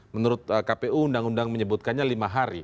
menurut kpu undang undang menyebutkannya lima hari